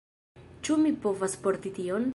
Ĉu mi povas porti tion?